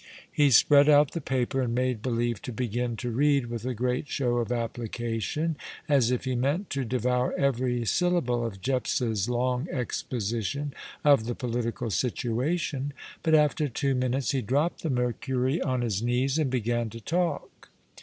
He spread out the paper, and made believe to begin to read with a great show of application, as if he meant to devour every syllable of Jepps's long exposition of the political situation; but after two minutes he dropped the Mercury on his knees and began to talk.